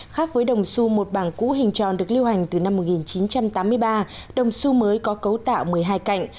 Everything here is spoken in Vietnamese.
khác với đồng su một bảng cũ hình tròn được lưu hành từ năm một nghìn chín trăm tám mươi ba đồng su mới có cấu tạo một mươi hai cạnh